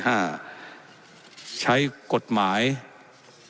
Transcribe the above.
และยังเป็นประธานกรรมการอีก